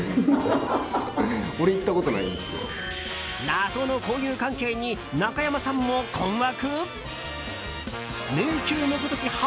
謎の交友関係に中山さんも困惑？